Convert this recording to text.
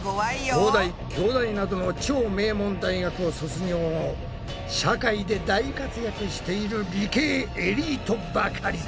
東大京大などの超名門大学を卒業後社会で大活躍している理系エリートばかりだ。